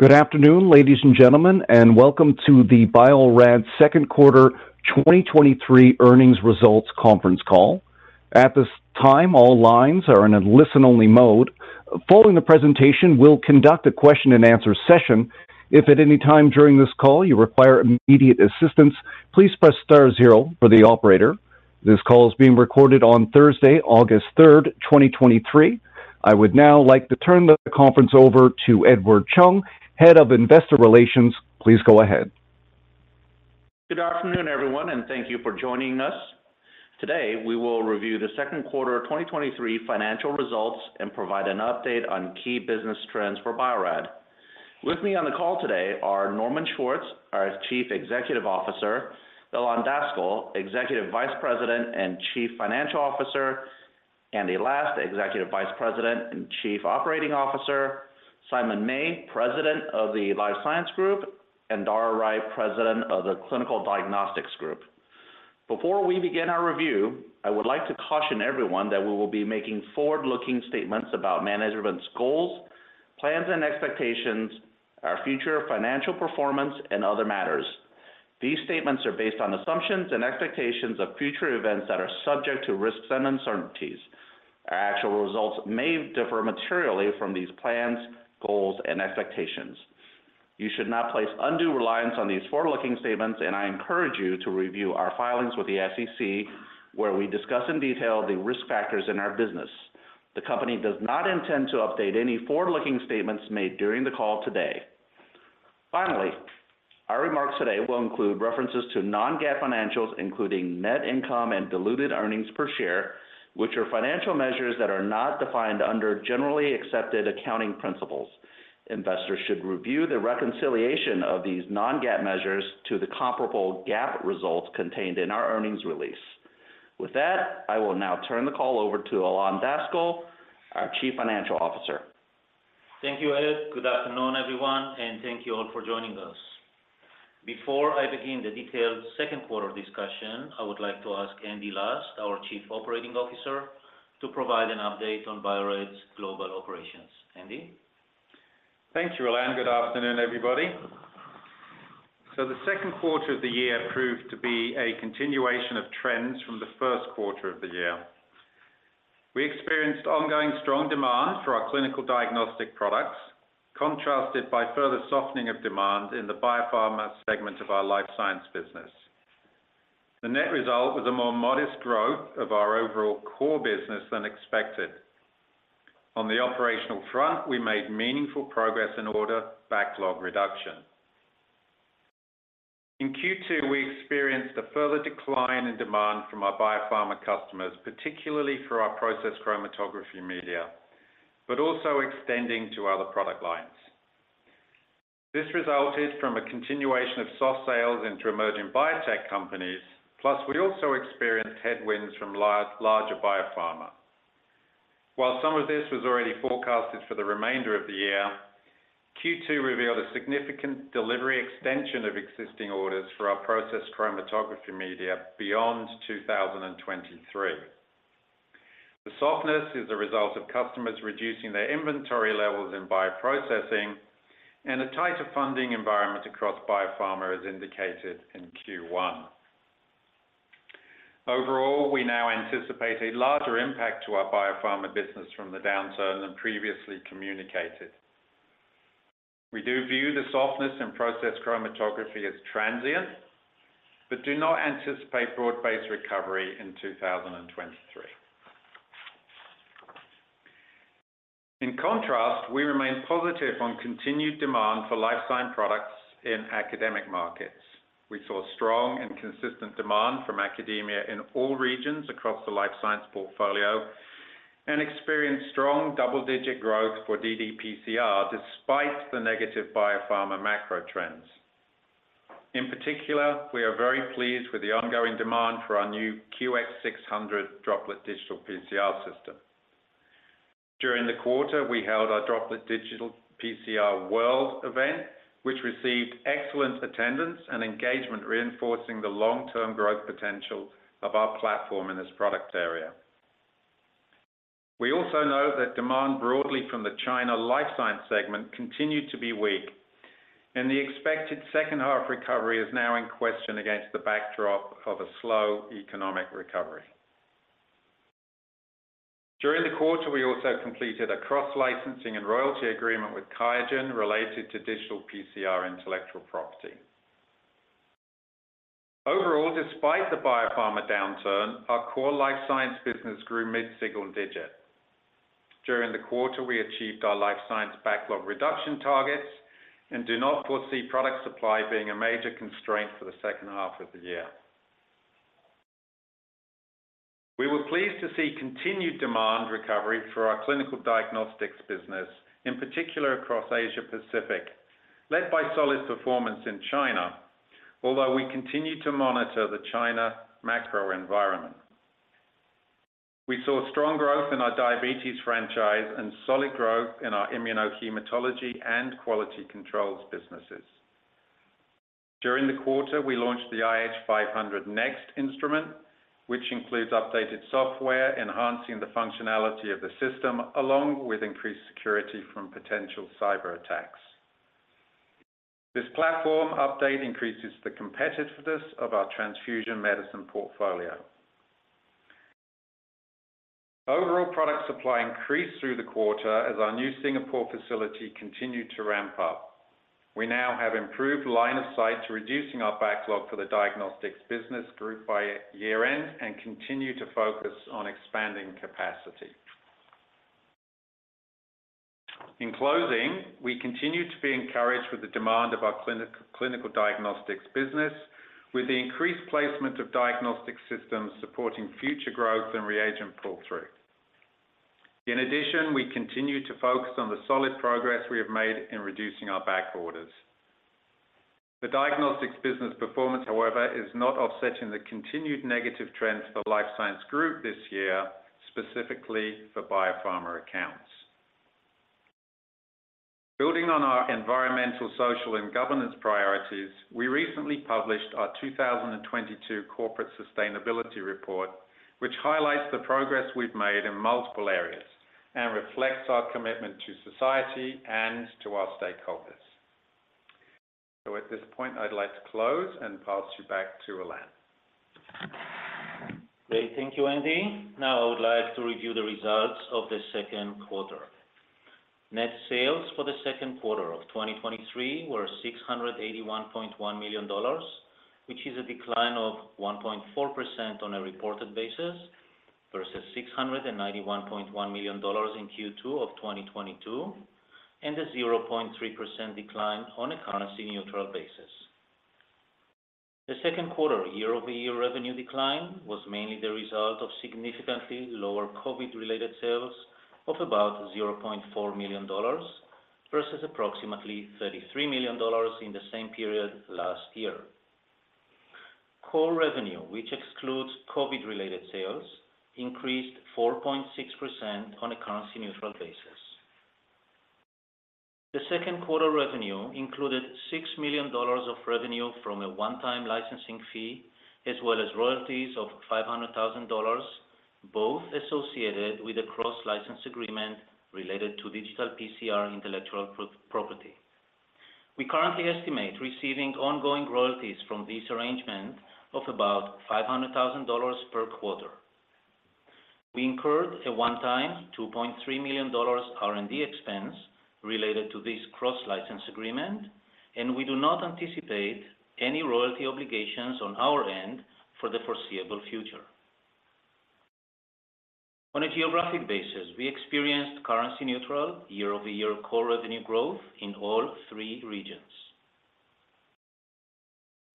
Good afternoon, ladies and gentlemen, and welcome to the Bio-Rad Second Quarter 2023 Earnings Results Conference Call. At this time, all lines are in a listen-only mode. Following the presentation, we'll conduct a question-and-answer session. If at any time during this call you require immediate assistance, please press star zero for the operator. This call is being recorded on Thursday, August 3rd, 2023. I would now like to turn the conference over to Edward Chung, Head of Investor Relations. Please go ahead. Good afternoon, everyone, and thank you for joining us. Today, we will review the Second Quarter of 2023 Financial Results and provide an update on key business trends for Bio-Rad. With me on the call today are Norman Schwartz, our Chief Executive Officer, Ilan Daskal, Executive Vice President and Chief Financial Officer, Andy Last, Executive Vice President and Chief Operating Officer, Simon May, President of the Life Science Group, and Dara Wright, President of the Clinical Diagnostics Group. Before we begin our review, I would like to caution everyone that we will be making forward-looking statements about management's goals, plans, and expectations, our future financial performance, and other matters. These statements are based on assumptions and expectations of future events that are subject to risks and uncertainties. Our actual results may differ materially from these plans, goals, and expectations. You should not place undue reliance on these forward-looking statements, and I encourage you to review our filings with the SEC, where we discuss in detail the risk factors in our business. The company does not intend to update any forward-looking statements made during the call today. Finally, our remarks today will include references to non-GAAP financials, including net income and diluted earnings per share, which are financial measures that are not defined under generally accepted accounting principles. Investors should review the reconciliation of these non-GAAP measures to the comparable GAAP results contained in our earnings release. With that, I will now turn the call over to Ilan Daskal, our Chief Financial Officer. Thank you, Ed. Good afternoon, everyone, and thank you all for joining us. Before I begin the detailed second-quarter discussion, I would like to ask Andy Last, our Chief Operating Officer, to provide an update on Bio-Rad's Global Operations. Andy? Thank you, Ilan. Good afternoon, everybody. The second quarter of the year proved to be a continuation of trends from the first quarter of the year. We experienced ongoing strong demand for our clinical diagnostic products, contrasted by further softening of demand in the biopharma segment of our Life Science business. The net result was a more modest growth of our overall core business than expected. On the operational front, we made meaningful progress in order backlog reduction. In Q2, we experienced a further decline in demand from our biopharma customers, particularly for our process chromatography media, but also extending to other product lines. This resulted from a continuation of soft sales into emerging biotech companies, plus we also experienced headwinds from larger biopharma. While some of this was already forecasted for the remainder of the year, Q2 revealed a significant delivery extension of existing orders for our process chromatography media beyond 2023. The softness is a result of customers reducing their inventory levels in bioprocessing, and a tighter funding environment across biopharma is indicated in Q1. Overall, we now anticipate a larger impact to our biopharma business from the downturn than previously communicated. We do view the softness in process chromatography as transient, but do not anticipate broad-based recovery in 2023. In contrast, we remain positive on continued demand for Life Science products in academic markets. We saw strong and consistent demand from academia in all regions across the Life Science portfolio and experienced strong double-digit growth for ddPCR despite the negative biopharma macro trends. In particular, we are very pleased with the ongoing demand for our new QX600 Droplet Digital PCR system. During the quarter, we held our Droplet Digital PCR World event, which received excellent attendance and engagement, reinforcing the long-term growth potential of our platform in this product area. We also know that demand broadly from the China Life Science segment continued to be weak, and the expected second-half recovery is now in question against the backdrop of a slow economic recovery. During the quarter, we also completed a cross-licensing and royalty agreement with QIAGEN related to digital PCR intellectual property. Overall, despite the biopharma downturn, our core Life Science business grew mid-single digit. During the quarter, we achieved our Life Science backlog reduction targets and do not foresee product supply being a major constraint for the second half of the year. We were pleased to see continued demand recovery for our Clinical Diagnostics business, in particular across Asia Pacific, led by solid performance in China, although we continue to monitor the China macro environment. We saw strong growth in our diabetes franchise and solid growth in our immunohematology and quality controls businesses. During the quarter, we launched the IH-500 NEXT instrument, which includes updated software, enhancing the functionality of the system, along with increased security from potential cyber attacks. This platform update increases the competitiveness of our transfusion medicine portfolio. Overall, product supply increased through the quarter as our new Singapore facility continued to ramp up. We now have improved line of sight to reducing our backlog for the diagnostics business group by year-end, and continue to focus on expanding capacity. In closing, we continue to be encouraged with the demand of our Clinical Diagnostics business, with the increased placement of diagnostic systems supporting future growth and reagent pull-through. In addition, we continue to focus on the solid progress we have made in reducing our back orders. The diagnostics business performance, however, is not offsetting the continued negative trends for the Life Science Group this year, specifically for biopharma accounts. Building on our environmental, social, and governance priorities, we recently published our 2022 Corporate Sustainability Report, which highlights the progress we've made in multiple areas and reflects our commitment to society and to our stakeholders. At this point, I'd like to close and pass you back to Ilan Daskal. Great. Thank you, Andy. Now I would like to review the results of the second quarter. Net sales for the second quarter of 2023 were $681.1 million, which is a decline of 1.4% on a reported basis, versus $691.1 million in Q2 of 2022, and a 0.3% decline on a currency neutral basis. The second quarter year-over-year revenue decline was mainly the result of significantly lower COVID-related sales of about $0.4 million, versus approximately $33 million in the same period last year. Core revenue, which excludes COVID-related sales, increased 4.6% on a currency neutral basis. The second quarter revenue included $6 million of revenue from a one-time licensing fee, as well as royalties of $500,000, both associated with a cross-license agreement related to digital PCR intellectual property. We currently estimate receiving ongoing royalties from this arrangement of about $500,000 per quarter. We incurred a one-time, $2.3 million R&D expense related to this cross-license agreement. We do not anticipate any royalty obligations on our end for the foreseeable future. On a geographic basis, we experienced currency neutral year-over-year core revenue growth in all three regions.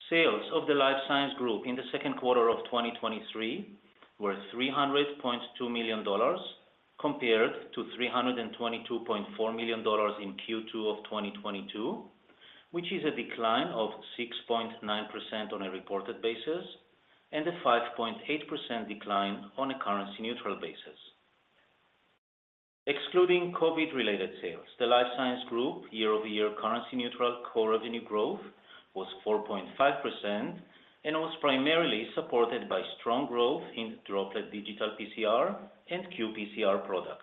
Sales of the Life Science Group in the second quarter of 2023 were $300.2 million, compared to $322.4 million in Q2 of 2022, which is a decline of 6.9% on a reported basis and a 5.8% decline on a currency neutral basis. Excluding COVID-related sales, the Life Science Group year-over-year currency neutral core revenue growth was 4.5%, was primarily supported by strong growth in Droplet Digital PCR and qPCR products.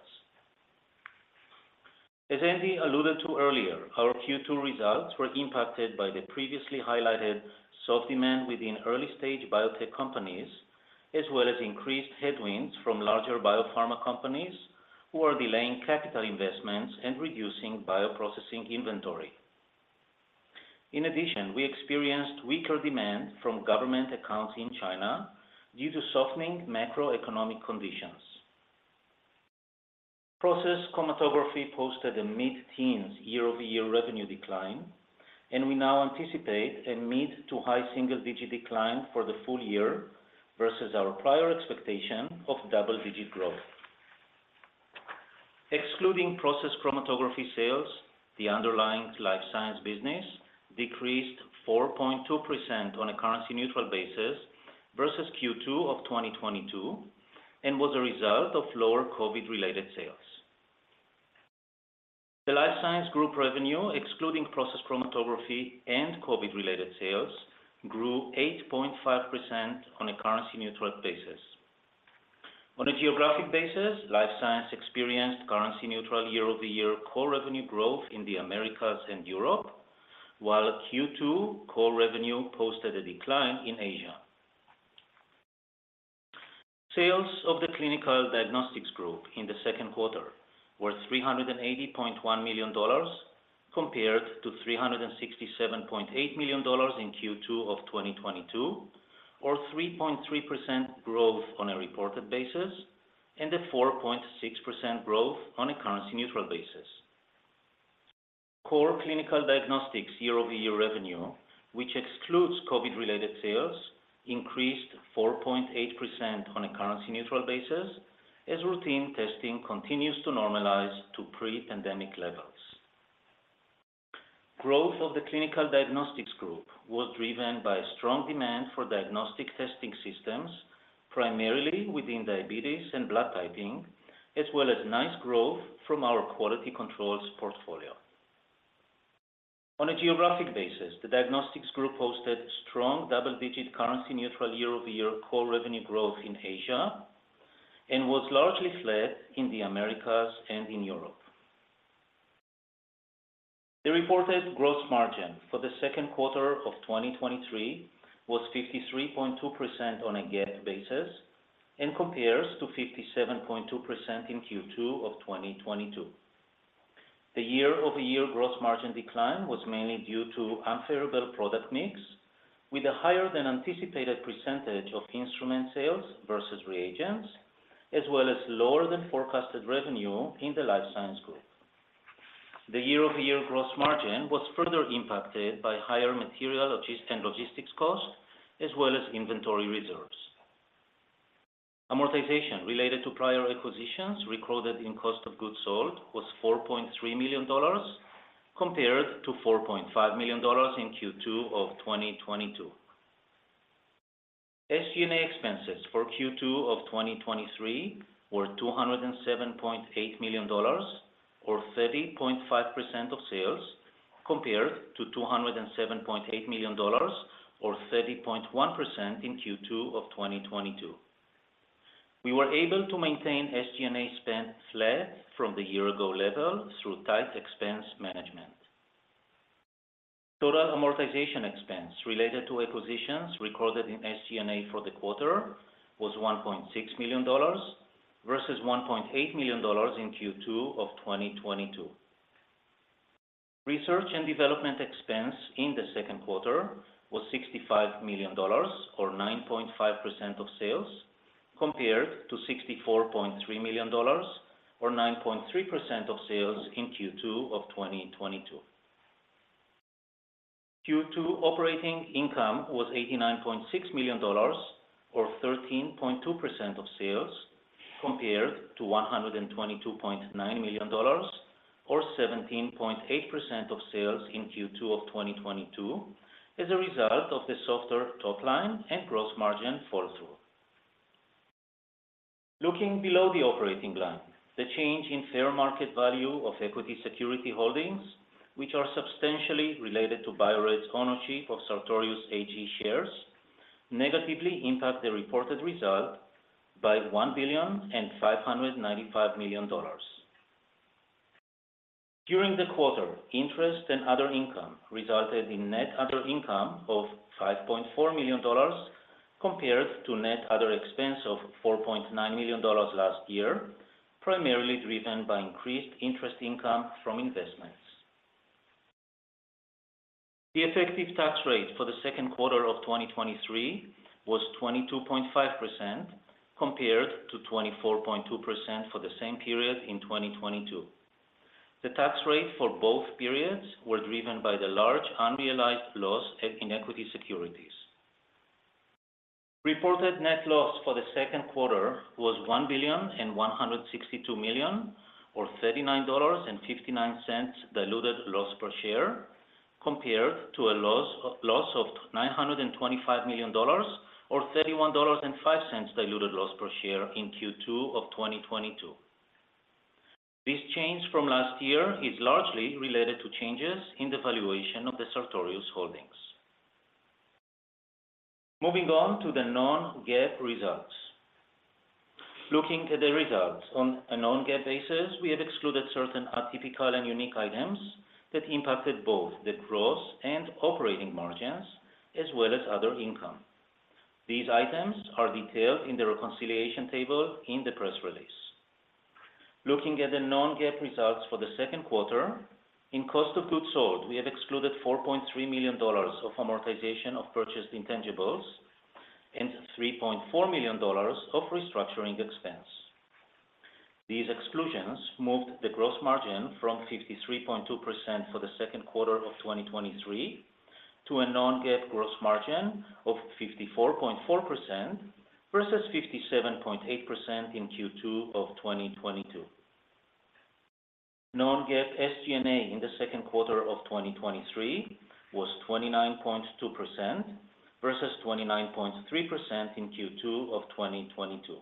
As Andy alluded to earlier, our Q2 results were impacted by the previously highlighted soft demand within early-stage biotech companies, as well as increased headwinds from larger biopharma companies who are delaying capital investments and reducing bioprocessing inventory. In addition, we experienced weaker demand from government accounts in China due to softening macroeconomic conditions. Process chromatography posted a mid-teens year-over-year revenue decline, and we now anticipate a mid to high single-digit decline for the full year versus our prior expectation of double-digit growth. Excluding process chromatography sales, the underlying Life Science business decreased 4.2% on a currency neutral basis versus Q2 of 2022, and was a result of lower COVID-related sales. The Life Science Group revenue, excluding process chromatography and COVID-related sales, grew 8.5% on a currency neutral basis. On a geographic basis, Life Science experienced currency neutral year-over-year core revenue growth in the Americas and Europe, while Q2 core revenue posted a decline in Asia. Sales of the Clinical Diagnostics Group in the second quarter were $380.1 million, compared to $367.8 million in Q2 of 2022, or 3.3% growth on a reported basis and a 4.6% growth on a currency-neutral basis. Core Clinical Diagnostics year-over-year revenue, which excludes COVID-related sales, increased 4.8% on a currency-neutral basis, as routine testing continues to normalize to pre-pandemic levels. Growth of the Clinical Diagnostics Group was driven by strong demand for diagnostic testing systems primarily within diabetes and blood typing, as well as nice growth from our quality controls portfolio. On a geographic basis, the Diagnostics Group posted strong double-digit currency-neutral year-over-year core revenue growth in Asia, and was largely flat in the Americas and in Europe. The reported gross margin for the second quarter of 2023 was 53.2% on a GAAP basis, compares to 57.2% in Q2 of 2022. The year-over-year gross margin decline was mainly due to unfavorable product mix, with a higher than anticipated percentage of instrument sales versus reagents, as well as lower than forecasted revenue in the Life Science Group. The year-over-year gross margin was further impacted by higher material and logistics costs, as well as inventory reserves. Amortization related to prior acquisitions recorded in cost of goods sold was $4.3 million, compared to $4.5 million in Q2 of 2022. SG&A expenses for Q2 of 2023 were $207.8 million, or 30.5% of sales, compared to $207.8 million or 30.1% in Q2 of 2022. We were able to maintain SG&A spend flat from the year ago level through tight expense management. Total amortization expense related to acquisitions recorded in SG&A for the quarter was $1.6 million, versus $1.8 million in Q2 of 2022. Research and development expense in the second quarter was $65 million, or 9.5% of sales, compared to $64.3 million, or 9.3% of sales in Q2 of 2022. Q2 operating income was $89.6 million, or 13.2% of sales, compared to $122.9 million, or 17.8% of sales in Q2 of 2022, as a result of the softer top line and gross margin fall through. Looking below the operating line, the change in fair market value of equity security holdings, which are substantially related to Bio-Rad's ownership of Sartorius AG shares, negatively impact the reported result by $1.595 billion. During the quarter, interest and other income resulted in net other income of $5.4 million, compared to net other expense of $4.9 million last year, primarily driven by increased interest income from investments. The effective tax rate for the second quarter of 2023 was 22.5%, compared to 24.2% for the same period in 2022. The tax rate for both periods were driven by the large unrealized loss in equity securities. Reported net loss for the second quarter was $1.162 billion, or $39.59 diluted loss per share, compared to a loss, of loss of $925 million, or $31.05 diluted loss per share in Q2 of 2022. This change from last year is largely related to changes in the valuation of the Sartorius holdings. Moving on to the non-GAAP results. Looking at the results on a non-GAAP basis, we have excluded certain atypical and unique items that impacted both the gross and operating margins, as well as other income. These items are detailed in the reconciliation table in the press release. Looking at the non-GAAP results for the second quarter, in cost of goods sold, we have excluded $4.3 million of amortization of purchased intangibles and $3.4 million of restructuring expense. These exclusions moved the gross margin from 53.2% for the second quarter of 2023 to a non-GAAP gross margin of 54.4% versus 57.8% in Q2 of 2022. Non-GAAP SG&A in the second quarter of 2023 was 29.2% versus 29.3% in Q2 of 2022.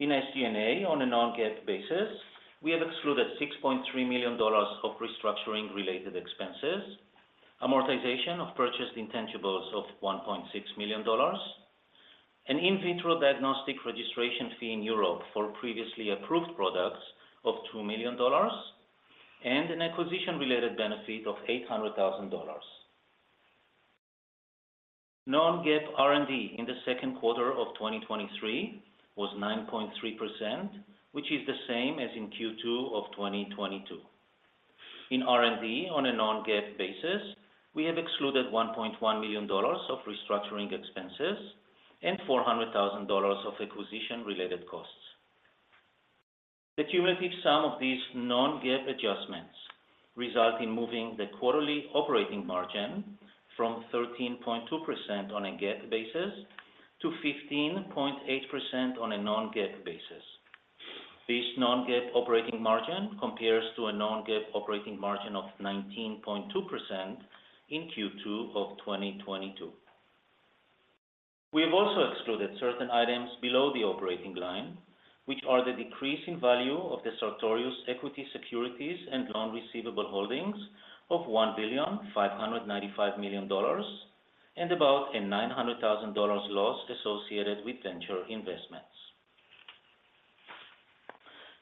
In SG&A, on a non-GAAP basis, we have excluded $6.3 million of restructuring-related expenses, amortization of purchased intangibles of $1.6 million, an in vitro diagnostic registration fee in Europe for previously approved products of $2 million, and an acquisition-related benefit of $800,000. Non-GAAP R&D in the second quarter of 2023 was 9.3%, which is the same as in Q2 of 2022. In R&D, on a non-GAAP basis, we have excluded $1.1 million of restructuring expenses and $400,000 of acquisition-related costs. The cumulative sum of these non-GAAP adjustments result in moving the quarterly operating margin from 13.2% on a GAAP basis to 15.8% on a non-GAAP basis. This non-GAAP operating margin compares to a non-GAAP operating margin of 19.2% in Q2 of 2022. We have also excluded certain items below the operating line, which are the decrease in value of the Sartorius equity securities and loan receivable holdings of $1.595 billion, and about a $900,000 loss associated with venture investments.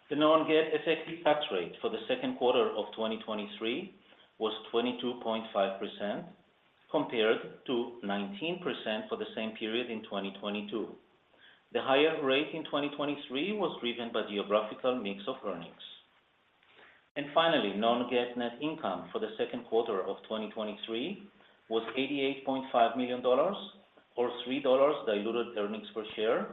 The non-GAAP effective tax rate for the second quarter of 2023 was 22.5%, compared to 19% for the same period in 2022. The higher rate in 2023 was driven by geographical mix of earnings. Finally, non-GAAP net income for the second quarter of 2023 was $88.5 million, or $3 diluted earnings per share,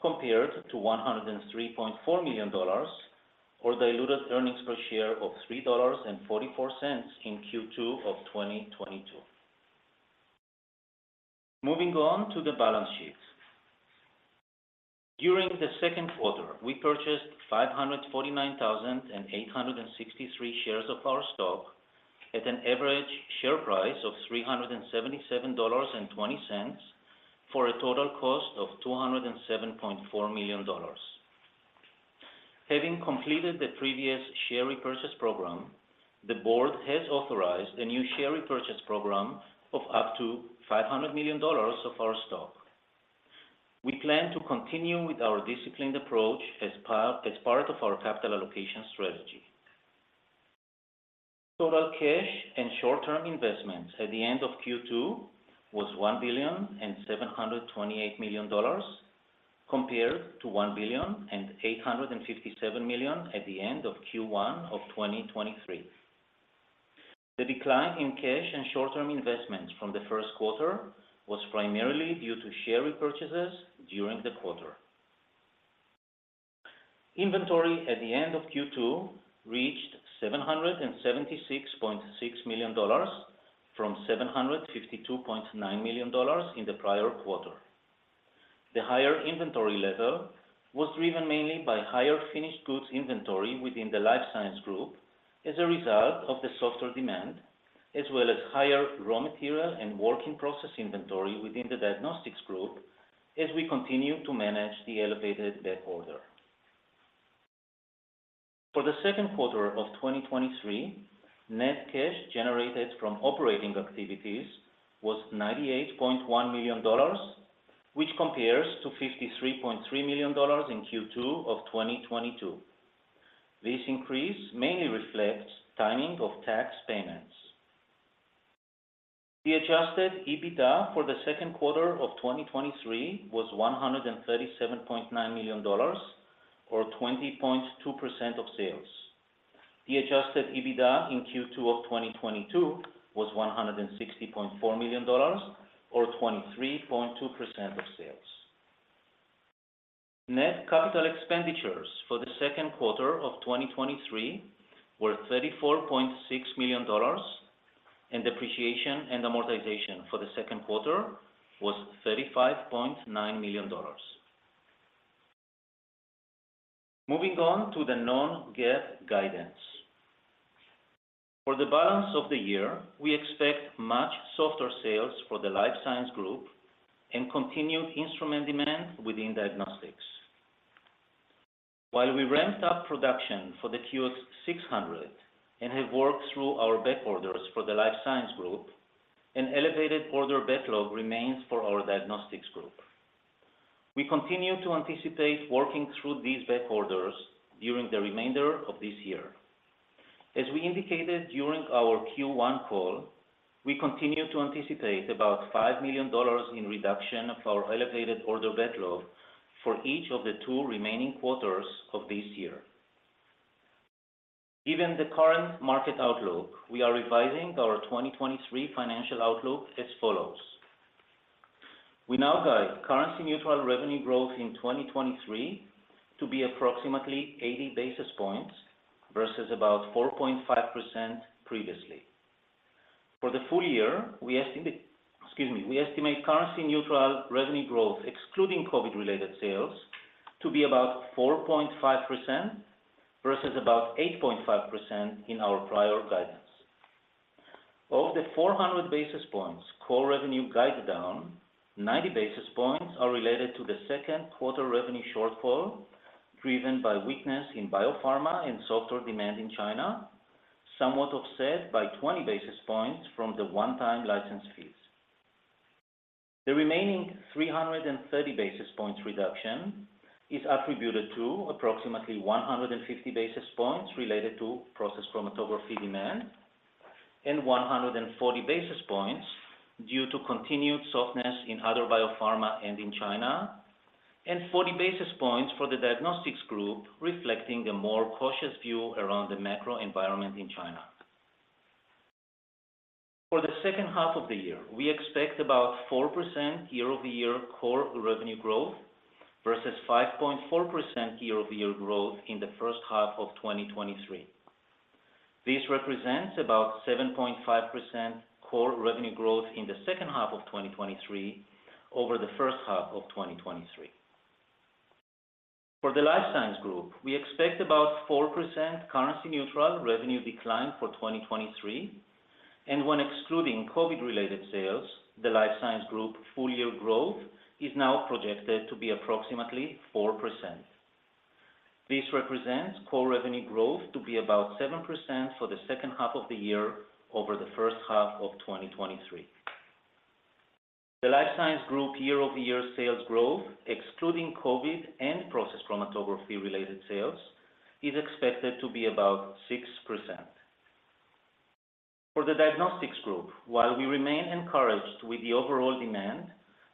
compared to $103.4 million, or diluted earnings per share of $3.44 in Q2 of 2022. Moving on to the balance sheet. During the second quarter, we purchased 549,863 shares of our stock at an average share price of $377.20, for a total cost of $207.4 million. Having completed the previous share repurchase program, the board has authorized a new share repurchase program of up to $500 million of our stock. We plan to continue with our disciplined approach as part of our capital allocation strategy. Total cash and short-term investments at the end of Q2 was $1.728 billion, compared to $1.857 billion at the end of Q1 of 2023. The decline in cash and short-term investments from the first quarter was primarily due to share repurchases during the quarter. Inventory at the end of Q2 reached $776.6 million from $752.9 million in the prior quarter. The higher inventory level was driven mainly by higher finished goods inventory within the Life Science Group as a result of the softer demand, as well as higher raw material and work-in-process inventory within the Diagnostics Group, as we continue to manage the elevated backorder. For the second quarter of 2023, net cash generated from operating activities was $98.1 million, which compares to $53.3 million in Q2 of 2022. This increase mainly reflects timing of tax payments. The adjusted EBITDA for the second quarter of 2023 was $137.9 million, or 20.2% of sales. The adjusted EBITDA in Q2 of 2022 was $160.4 million, or 23.2% of sales. Net capital expenditures for the second quarter of 2023 were $34.6 million, and depreciation and amortization for the second quarter was $35.9 million. Moving on to the non-GAAP guidance. For the balance of the year, we expect much softer sales for the Life Science Group and continued instrument demand within Diagnostics. While we ramped up production for the QX600 and have worked through our backorders for the Life Science Group, an elevated order backlog remains for our Diagnostics Group. We continue to anticipate working through these backorders during the remainder of this year. As we indicated during our Q1 call, we continue to anticipate about $5 million in reduction of our elevated order backlog for each of the two remaining quarters of this year. Given the current market outlook, we are revising our 2023 financial outlook as follows: We now guide currency-neutral revenue growth in 2023 to be approximately 80 basis points versus about 4.5% previously. For the full year, we estimate, excuse me, we estimate currency neutral revenue growth, excluding COVID-related sales, to be about 4.5%, versus about 8.5% in our prior guidance. Of the 400 basis points core revenue guide down, 90 basis points are related to the second quarter revenue shortfall, driven by weakness in biopharma and softer demand in China, somewhat offset by 20 basis points from the one-time license fees. The remaining 330 basis points reduction is attributed to approximately 150 basis points related to process chromatography demand, and 140 basis points due to continued softness in other biopharma and in China, and 40 basis points for the Diagnostics Group, reflecting a more cautious view around the macro environment in China. For the second half of the year, we expect about 4% year-over-year core revenue growth versus 5.4% year-over-year growth in the first half of 2023. This represents about 7.5% core revenue growth in the second half of 2023, over the first half of 2023. For the Life Science Group, we expect about 4% currency neutral revenue decline for 2023. When excluding COVID-related sales, the Life Science Group full-year growth is now projected to be approximately 4%. This represents core revenue growth to be about 7% for the second half of the year over the first half of 2023. The Life Science Group year-over-year sales growth, excluding COVID and process chromatography-related sales, is expected to be about 6%. For the Diagnostics Group, while we remain encouraged with the overall demand,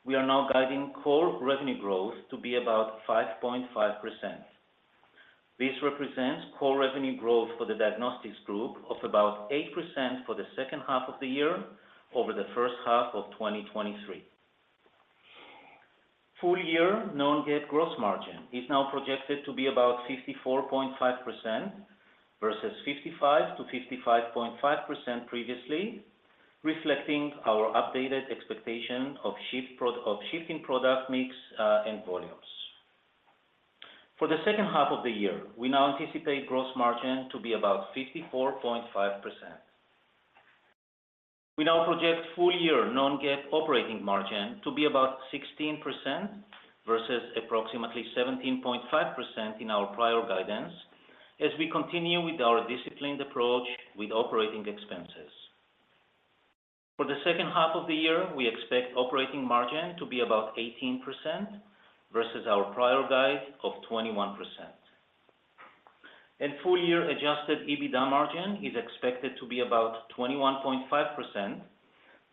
we are now guiding core revenue growth to be about 5.5%. This represents core revenue growth for the Diagnostics Group of about 8% for the second half of the year over the first half of 2023. Full-year non-GAAP gross margin is now projected to be about 54.5% versus 55%-55.5% previously, reflecting our updated expectation of shifting product mix and volumes. For the second half of the year, we now anticipate gross margin to be about 54.5%. We now project full-year non-GAAP operating margin to be about 16% versus approximately 17.5% in our prior guidance, as we continue with our disciplined approach with operating expenses. For the second half of the year, we expect operating margin to be about 18% versus our prior guide of 21%. Full-year adjusted EBITDA margin is expected to be about 21.5%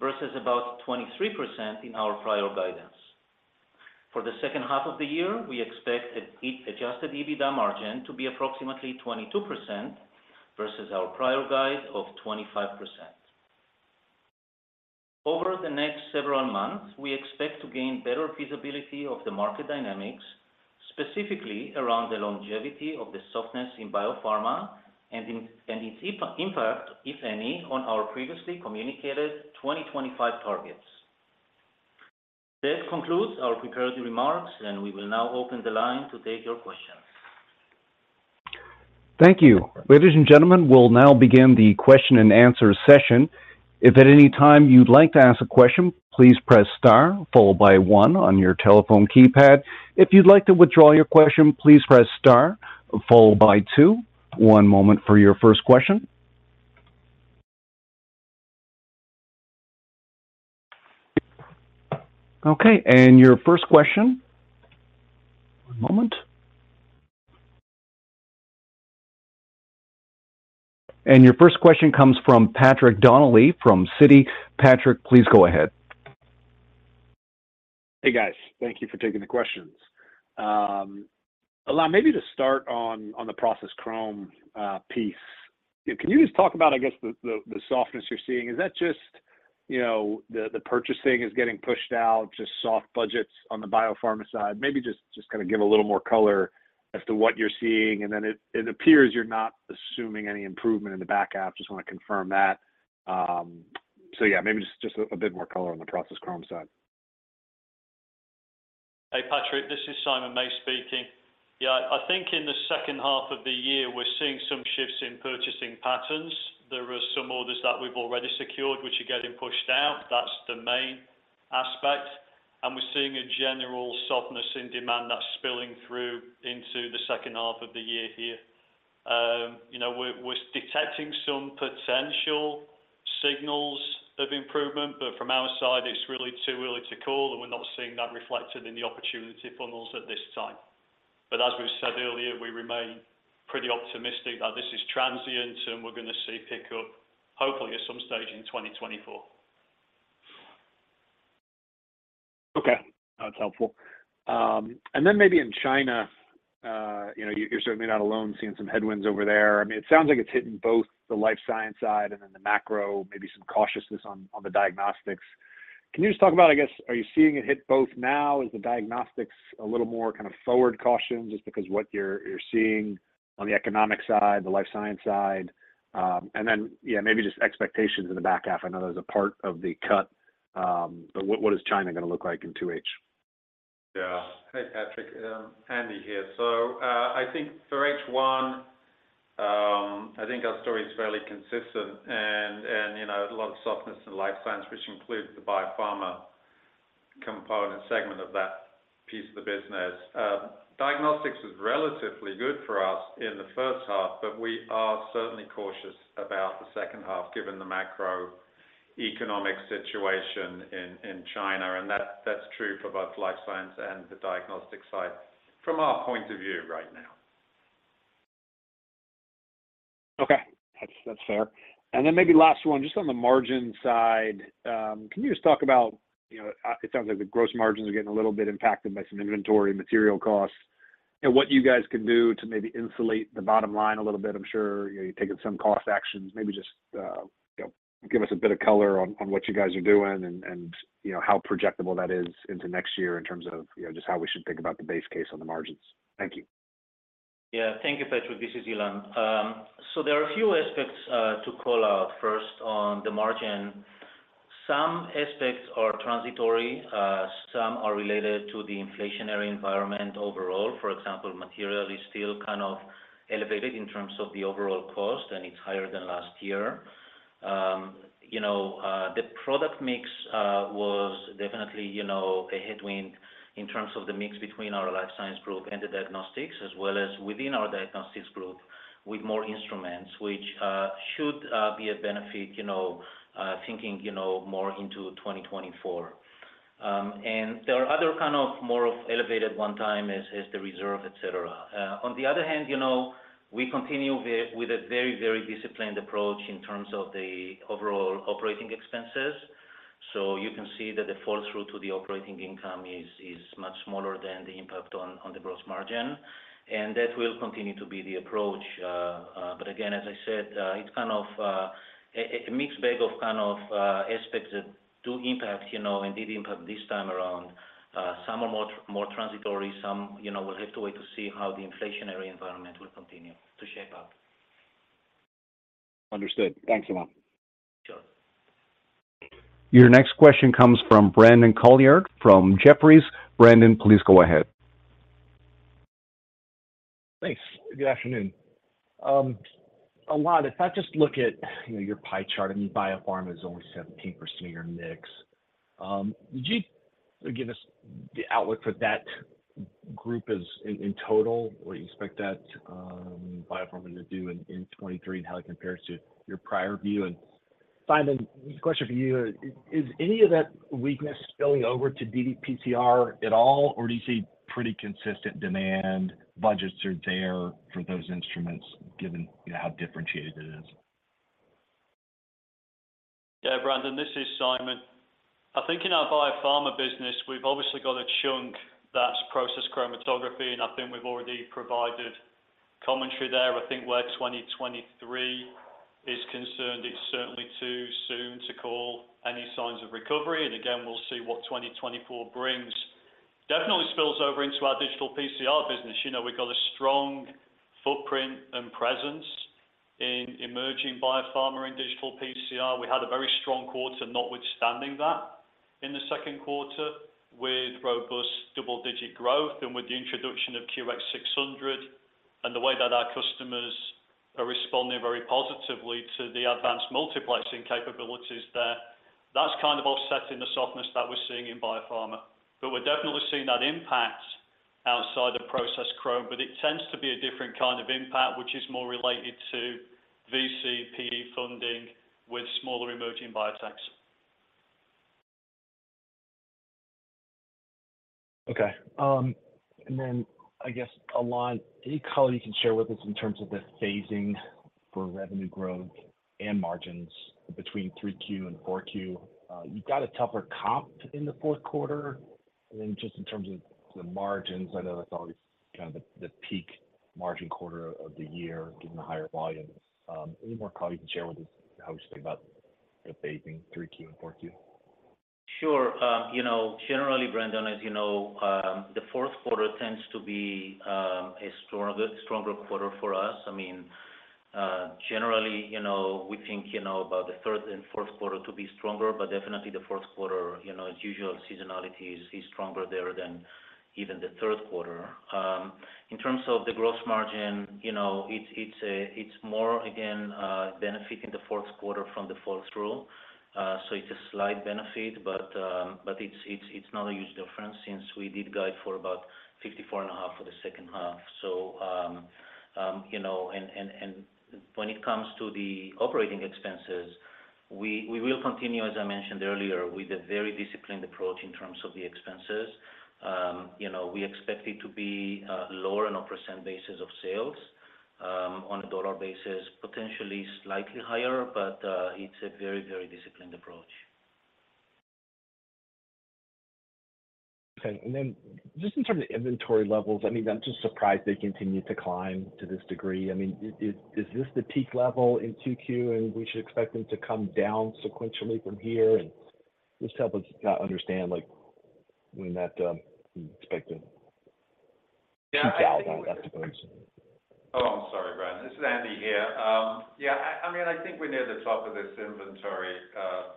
versus about 23% in our prior guidance. For the second half of the year, we expect adjusted EBITDA margin to be approximately 22% versus our prior guide of 25%. Over the next several months, we expect to gain better feasibility of the market dynamics, specifically around the longevity of the softness in biopharma and its impact, if any, on our previously communicated 2025 targets. That concludes our prepared remarks, and we will now open the line to take your questions. Thank you. Ladies and gentlemen, we'll now begin the question and answer session. If at any time you'd like to ask a question, please press star followed by one on your telephone keypad. If you'd like to withdraw your question, please press star followed by two. One moment for your first question. Okay, your first question? One moment. Your first question comes from Patrick Donnelly from Citi. Patrick, please go ahead. Hey, guys. Thank you for taking the questions. Allow maybe to start on the process chromatography piece. Can you just talk about, I guess, the softness you're seeing? Is that just, you know, the purchasing is getting pushed out, just soft budgets on the biopharma side? Maybe just kind of give a little more color as to what you're seeing, and then it appears you're not assuming any improvement in the back half. Just want to confirm that. Yeah, maybe just a bit more color on the process chromatography side. Hey, Patrick, this is Simon May speaking. I think in the second half of the year, we're seeing some shifts in purchasing patterns. There are some orders that we've already secured, which are getting pushed out. That's the main aspect. We're seeing a general softness in demand that's spilling through into the second half of the year here. You know, we're detecting some potential signals of improvement. From our side, it's really too early to call, and we're not seeing that reflected in the opportunity funnels at this time. As we've said earlier, we remain pretty optimistic that this is transient, and we're going to see pickup, hopefully at some stage in 2024. Okay, that's helpful. Then maybe in China, you know, you're certainly not alone seeing some headwinds over there. I mean, it sounds like it's hitting both the Life Science side and then the macro, maybe some cautiousness on, on the Diagnostics. Can you just talk about, I guess, are you seeing it hit both now? Is the Diagnostics a little more kind of forward caution, just because what you're, you're seeing on the economic side, the Life Science side, and then, yeah, maybe just expectations in the back half. I know there's a part of the cut, but what, what is China going to look like in 2H? Yeah. Hey, Patrick, Andy here. I think for H one, I think our story is fairly consistent and, and, you know, a lot of softness in Life Science, which includes the biopharma component segment of that piece of the business. Diagnostics is relatively good for us in the first half, but we are certainly cautious about the second half, given the macroeconomic situation in China, and that's true for both Life Science and the Diagnostics side from our point of view right now. Okay, that's, that's fair. Then maybe last one, just on the margin side, can you just talk about, you know, it sounds like the gross margins are getting a little bit impacted by some inventory and material costs, and what you guys can do to maybe insulate the bottom line a little bit. I'm sure you're taking some cost actions, maybe just give us a bit of color on, on what you guys are doing and, and, you know, how projectable that is into next year in terms of, you know, just how we should think about the base case on the margins. Thank you. Yeah. Thank you, Patrick. This is Ilan. There are a few aspects to call out. First, on the margin, some aspects are transitory, some are related to the inflationary environment overall. For example, material is still kind of elevated in terms of the overall cost, and it's higher than last year. You know, the product mix was definitely, you know, a headwind in terms of the mix between our Life Science Group and the Diagnostics, as well as within our Diagnostics Group with more instruments, which should be a benefit, you know, thinking, you know, more into 2024. There are other kind of more of elevated one-time as, as the reserve, et cetera. On the other hand, you know, we continue with, with a very, very disciplined approach in terms of the overall operating expenses. You can see that the fall-through to the operating income is much smaller than the impact on the gross margin, and that will continue to be the approach. Again, as I said, it's kind of a mixed bag of kind of aspects that do impact, you know, and did impact this time around. Some are more, more transitory, some, you know, we'll have to wait to see how the inflationary environment will continue to shape up. Understood. Thanks, Ilan. Sure. Your next question comes from Brandon Couillard from Jefferies. Brandon, please go ahead. Thanks. Good afternoon. Ilan, if I just look at, you know, your pie chart, I mean, biopharma is only 17% of your mix. Would you give us the outlook for that group as in, in total? What do you expect that biopharma to do in 2023, and how it compares to your prior view? Simon, question for you: is any of that weakness spilling over to ddPCR at all, or do you see pretty consistent demand, budgets are there for those instruments, given, you know, how differentiated it is? Yeah, Brandon, this is Simon. I think in our biopharma business, we've obviously got a chunk that's process chromatography, and I think we've already provided commentary there. I think where 2023 is concerned, it's certainly too soon to call any signs of recovery, and again, we'll see what 2024 brings. Definitely spills over into our digital PCR business. You know, we've got a strong footprint and presence in emerging biopharma and digital PCR. We had a very strong quarter, notwithstanding that, in the second quarter, with robust double-digit growth and with the introduction of QX600 and the way that our customers are responding very positively to the advanced multiplexing capabilities there. That's kind of offsetting the softness that we're seeing in biopharma. We're definitely seeing that impact outside of process chromatography, but it tends to be a different kind of impact, which is more related to VC/PE funding with smaller emerging biotechs. Okay. Then I guess, Ilan, any color you can share with us in terms of the phasing for revenue growth and margins between 3Q and 4Q? You've got a tougher comp in the fourth quarter. Then just in terms of the margins, I know that's always kind of the, the peak margin quarter of the year, given the higher volumes. Any more color you can share with us how we should think about the phasing 3Q and 4Q? Sure. You know, generally, Brandon, as you know, the fourth quarter tends to be a stronger, stronger quarter for us. I mean, generally, you know, we think you know about the third and fourth quarter to be stronger, but definitely the fourth quarter, you know, its usual seasonality is stronger there than even the third quarter. In terms of the gross margin, you know, it's, it's more again, benefiting the fourth quarter from the fourth rule. It's a slight benefit, but it's, it's, it's not a huge difference since we did guide for about 54.5% for the second half. You know, when it comes to the operating expenses, we will continue, as I mentioned earlier, with a very disciplined approach in terms of the expenses. We expect it to be lower on a percent basis of sales, on a percent basis, potentially slightly higher, but it's a very, very disciplined approach. Okay. Then just in terms of inventory levels, I mean, I'm just surprised they continue to climb to this degree. I mean, is this the peak level in 2Q, and we should expect them to come down sequentially from here? Just help us understand, like, when that expected to top out, I suppose. Oh, I'm sorry, Brandon. This is Andy here. We're near the top of this inventory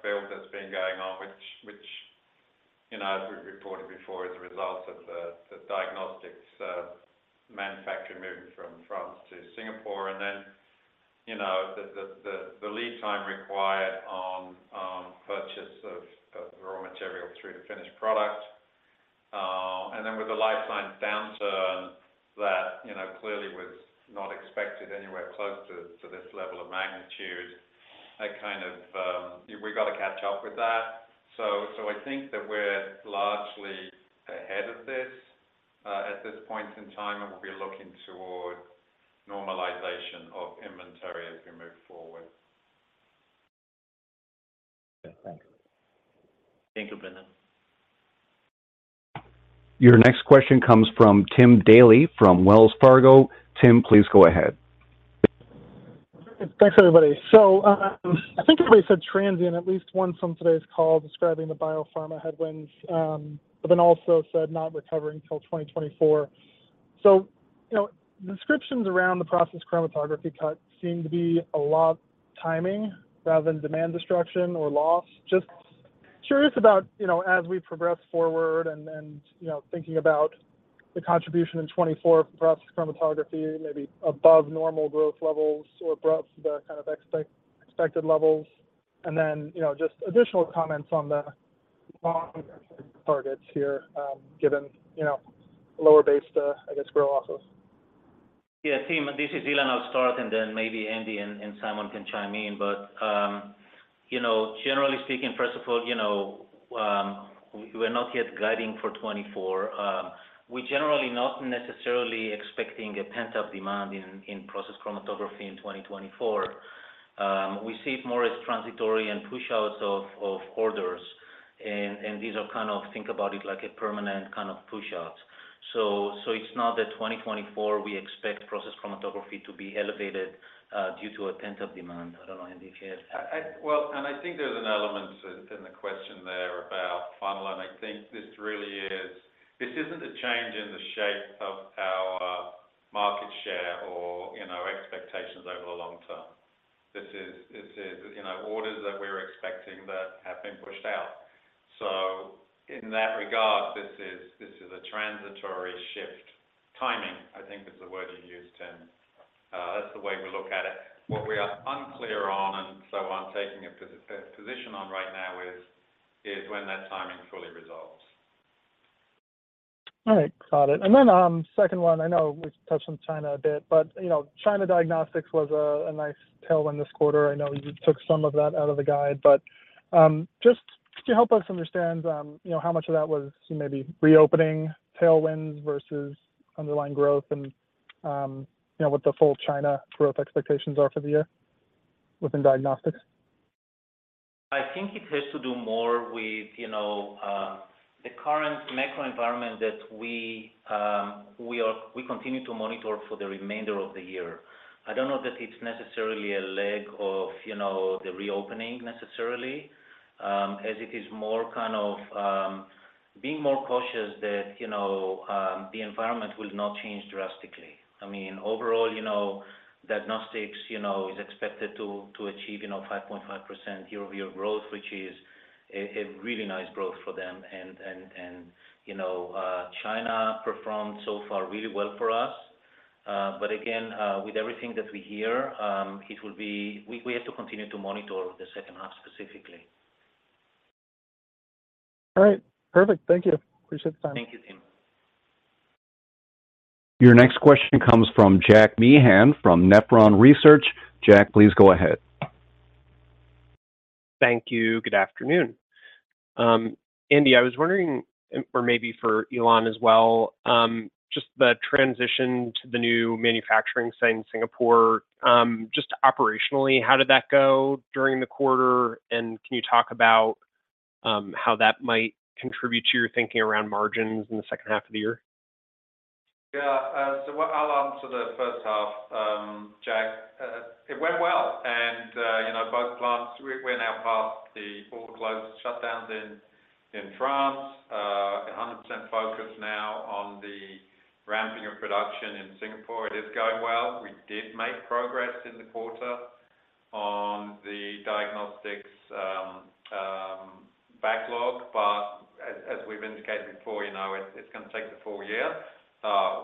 build that's been going on, which as we've reported before, is a result of the Diagnostics manufacturing moving from France to Singapore. Then the lead time required on purchase of raw material through to finished product. Then with the Life Science downturn that clearly was not expected anywhere close to this level of magnitude, we got to catch up with that. So I think that we're largely ahead of this at this point in time, and we'll be looking toward normalization of inventory as we move forward. Okay. Thank you. Thank you, Brandon. Your next question comes from Tim Daley from Wells Fargo. Tim, please go ahead. Thanks, everybody. I think everybody said transient at least once on today's call, describing the biopharma headwinds, but then also said not recovering till 2024. You know, descriptions around the process chromatography cut seem to be a lot timing rather than demand destruction or loss. Just curious about, you know, as we progress forward and thinking about the contribution in 2024 for process chromatography, maybe above normal growth levels or above the kind of expected levels, and then, you know, just additional comments on the long targets here, given, you know, lower base, I guess, grow losses. Tim, this is Ilan. I'll start, and then maybe Andy and Simon can chime in. You know, generally speaking, first of all, you know, we're not yet guiding for 2024. We're generally not necessarily expecting a pent-up demand in process chromatography in 2024. We see it more as transitory and push-outs of orders and these are kind of think about it like a permanent push-out. So it's not that 2024, we expect process chromatography to be elevated, due to a pent-up demand. Well, I think there's an element in the question there about funnel, and this isn't a change in the shape of our market share or expectations over the long term. This is orders that we're expecting that have been pushed out. In that regard, this is a transitory shift. Timing, I think, is the word you used, Tim. That's the way we look at it. What we are unclear on, and so on, taking a position on right now is, is when that timing fully resolves. All right, got it. Second one, I know we've touched on China a bit, but China Diagnostics was a nice tailwind this quarter. I know you took some of that out of the guide, but, just to help us understand, you know, how much of that was maybe reopening tailwinds versus underlying growth and what the full China growth expectations are for the year within Diagnostics? I think it has to do more with, you know, the current macro environment that we continue to monitor for the remainder of the year. I don't know that it's necessarily a leg of, you know, the reopening necessarily, as it is more being more cautious that, you know, the environment will not change drastically. I mean, overall, you know, diagnostics is expected to achieve 5.5% year-over-year growth, which is a really nice growth for them. You know, China performed so far really well for us. Again, with everything that we hear, we have to continue to monitor the second half, specifically. All right, perfect. Thank you. Appreciate the time. Thank you, Tim. Your next question comes from Jack Meehan, from Nephron Research. Jack, please go ahead. Thank you. Good afternoon. Andy, I was wondering, and or maybe for Ilan as well, just the transition to the new manufacturing site in Singapore, just operationally, how did that go during the quarter? Can you talk about, how that might contribute to your thinking around margins in the second half of the year? What I'll answer the first half, Jack. It went well, and, you know, both plants, we're now past the four global shutdowns in France. 100% focused now on the ramping of production in Singapore. It is going well. We did make progress in the quarter on the diagnostics backlog, but as we've indicated before it's gonna take the full year.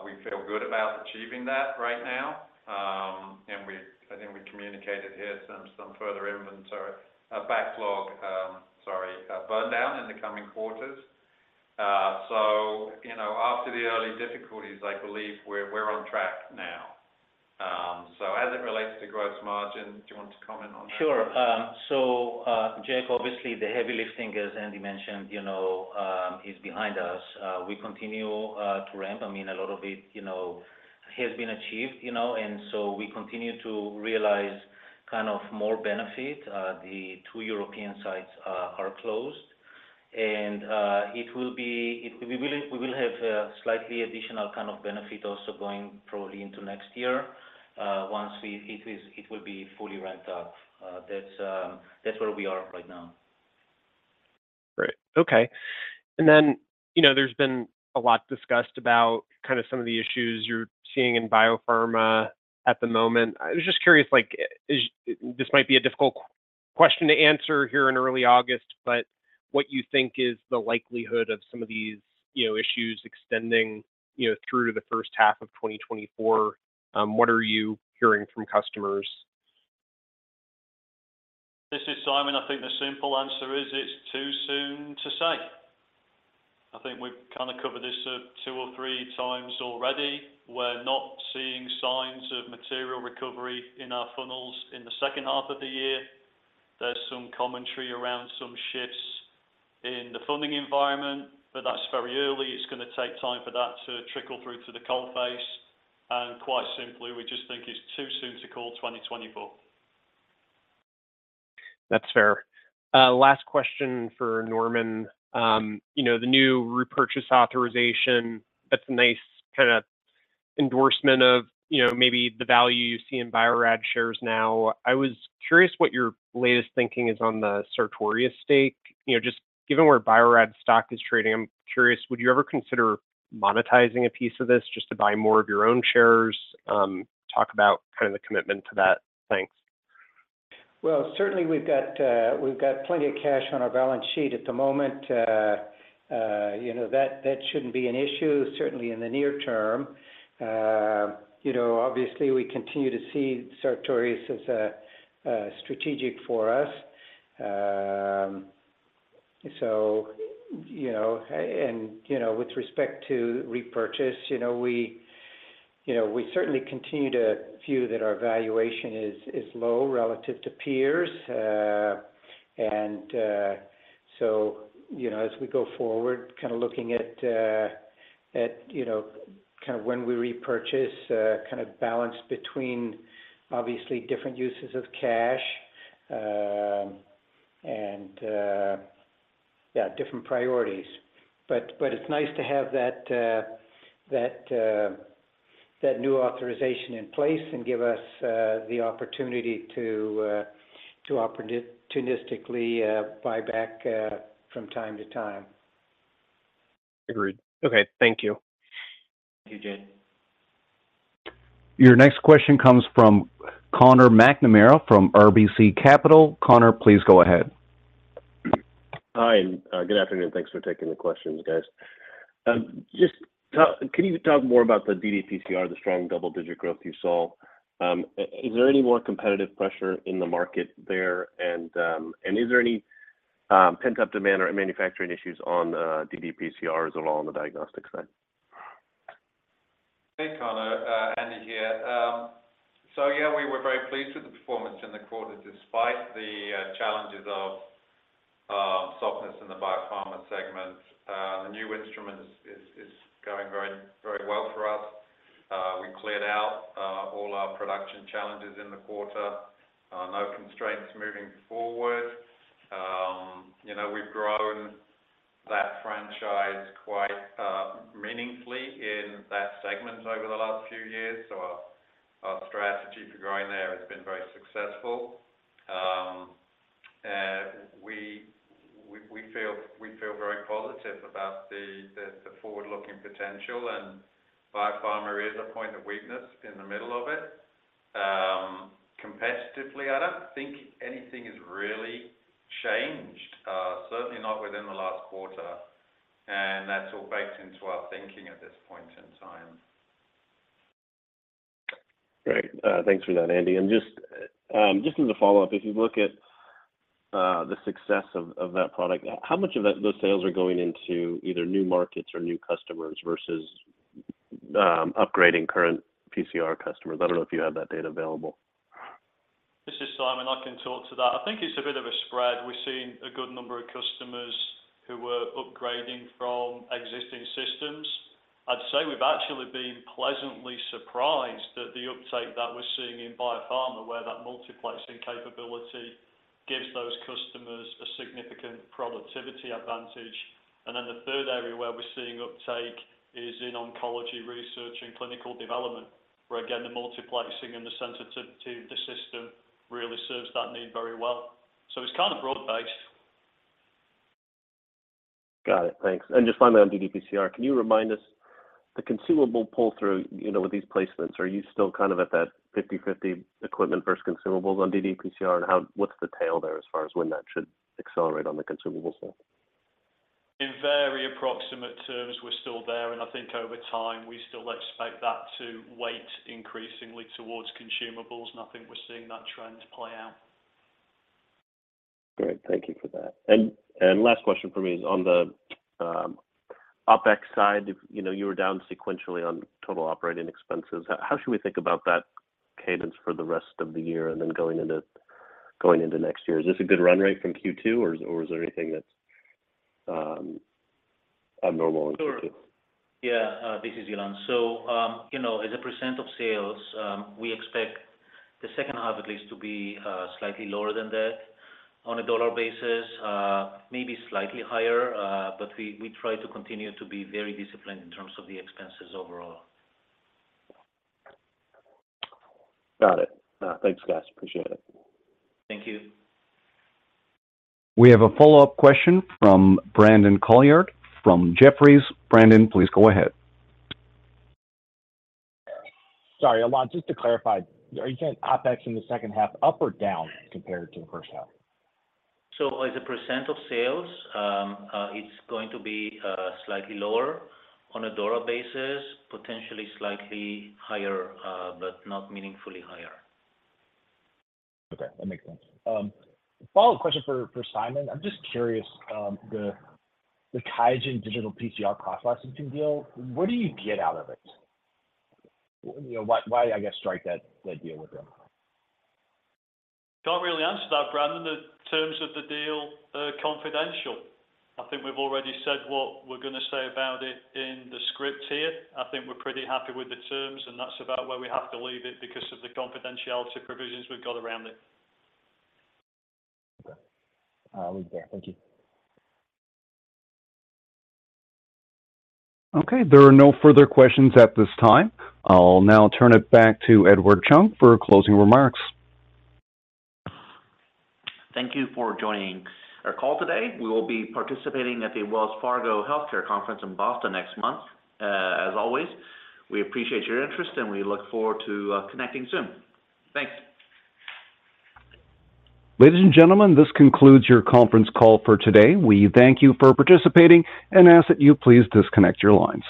We feel good about achieving that right now, and I think we communicated here some, some further inventory backlog, sorry, burn down in the coming quarters. You know, after the early difficulties, I believe we're, we're on track now. As it relates to gross margin, do you want to comment on that? Sure. Jack, obviously the heavy lifting, as Andy mentioned, you know, is behind us. We continue to ramp. I mean, a lot of it has been achieved we continue to realize kind of more benefit. The two European sites are closed, we will have a slightly additional kind of benefit probably going into next year, it will be fully ramped up. That's where we are right now. Great. Okay. Then, you know, there's been a lot discussed about kind of some of the issues you're seeing in biopharma at the moment. I was just curious this might be a difficult question to answer here in early August, but what you think is the likelihood of some of these, you know, issues extending, you know, through to the first half of 2024? What are you hearing from customers? This is Simon. I think the simple answer is, it's too soon to say. I think we've kind of covered this, 2x or 3x already. We're not seeing signs of material recovery in our funnels in the second half of the year. There's some commentary around some shifts in the funding environment, but that's very early. It's gonna take time for that to trickle through to the coal face, and quite simply, we just think it's too soon to call 2024. That's fair. Last question for Norman. You know, the new repurchase authorization, that's a nice kind of endorsement of, you know, maybe the value you see in Bio-Rad shares now. I was curious what your latest thinking is on the Sartorius stake. You know, just given where Bio-Rad stock is trading, I'm curious, would you ever consider monetizing a piece of this just to buy more of your own shares? Talk about kind of the commitment to that. Thanks. Well, certainly we've got plenty of cash on our balance sheet at the moment. That shouldn't be an issue, certainly in the near term. Obviously, we continue to see Sartorius as strategic for us. With respect to repurchase, we certainly continue to view that our valuation is low relative to peers. As we go forward, looking at when we repurchase, balance between obviously different uses of cash, and different priorities. But it's nice to have that new authorization in place and give us the opportunity to opportunistically buy back from time to time. Agreed. Okay. Thank you. Thank you, Jack. Your next question comes from Conor McNamara from RBC Capital. Conor, please go ahead. Hi, good afternoon. Thanks for taking the questions, guys. Can you talk more about the ddPCR, the strong double-digit growth you saw? Is there any more competitive pressure in the market there? Is there any pent-up demand or manufacturing issues on ddPCRs at all on the diagnostics side? Hey, Conor, Andy here. Yeah, we were very pleased with the performance in the quarter, despite the challenges of softness in the biopharma segment. The new instrument is going very, very well for us. We cleared out all our production challenges in the quarter, no constraints moving forward. You know, we've grown that franchise quite meaningfully in that segment over the last few years, so our strategy for growing there has been very successful. We feel very positive about the forward-looking potential, and biopharma is a point of weakness in the middle of it. Competitively, I don't think anything has really changed, certainly not within the last quarter, and that's all baked into our thinking at this point in time. Great. Thanks for that, Andy. Just, just as a follow-up, if you look at the success of that product, how much of that, those sales are going into either new markets or new customers versus, upgrading current PCR customers? I don't know if you have that data available. This is Simon. I can talk to that. I think it's a bit of a spread. We're seeing a good number of customers who are upgrading from existing systems. I'd say we've actually been pleasantly surprised at the uptake that we're seeing in biopharma, where that multiplexing capability gives those customers a significant productivity advantage. Then the third area where we're seeing uptake is in oncology research and clinical development, where, again, the multiplexing and the sensitivity of the system really serves that need very well. It's kind of broad-based. Got it. Thanks. Just finally, on ddPCR, can you remind us the consumable pull-through, you know, with these placements, are you still kind of at that 50/50 equipment versus consumables on ddPCR? What's the tail there as far as when that should accelerate on the consumable side? In very approximate terms, we're still there, and I think over time, we still expect that to weight increasingly towards consumables, and I think we're seeing that trend play out. Great, thank you for that. Last question for me is on the OpEx side. You know, you were down sequentially on total operating expenses. How should we think about that cadence for the rest of the year and then going into next year? Is this a good run rate from Q2, or is there anything that's abnormal in Q2? Sure. Yeah, this is Ilan. You know, as a percent of sales, we expect the second half at least to be, slightly lower than that. On a dollar basis, maybe slightly higher, but we, we try to continue to be very disciplined in terms of the expenses overall. Got it. Thanks, guys. Appreciate it. Thank you. We have a follow-up question from Brandon Couillard from Jefferies. Brandon, please go ahead. Sorry, Ilan, just to clarify, are you saying OpEx in the second half up or down compared to the first half? As a percent of sales, it's going to be slightly lower. On a dollar basis, potentially slightly higher, but not meaningfully higher. Okay, that makes sense. A follow-up question for, for Simon. I'm just curious, the QIAGEN digital PCR cross-licensing deal, what do you get out of it? Why strike that deal with them? Can't really answer that, Brandon. The terms of the deal are confidential. I think we've already said what we're going to say about it in the script here. I think we're pretty happy with the terms, and that's about where we have to leave it because of the confidentiality provisions we've got around it. Okay. I'll leave it there. Thank you. Okay, there are no further questions at this time. I'll now turn it back to Edward Chung for closing remarks. Thank you for joining our call today. We will be participating at the Wells Fargo Healthcare Conference in Boston next month. As always, we appreciate your interest, and we look forward to connecting soon. Thanks. Ladies and gentlemen, this concludes your conference call for today. We thank you for participating and ask that you please disconnect your lines.